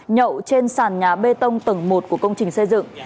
nhậu trên sàn nhà bê tông tầng một của công trình xây dựng